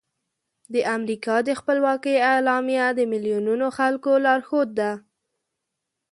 د امریکا د خپلواکۍ اعلامیه د میلیونونو خلکو لارښود ده.